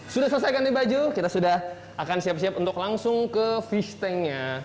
sudah selesai ganti baju kita sudah akan siap siap untuk langsung ke fish tanknya